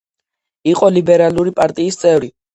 იყო ლიბერალური პარტიის წევრი.